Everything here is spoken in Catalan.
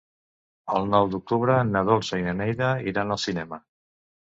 El nou d'octubre na Dolça i na Neida iran al cinema.